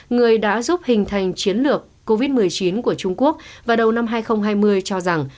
người đã giúp hình thành chiến lược covid một mươi chín của trung quốc và đầu năm hai nghìn hai mươi cho rằng